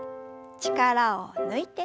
力を抜いて。